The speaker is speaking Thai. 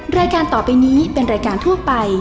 รายการต่อไปนี้เป็นรายการทั่วไป